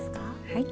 はい。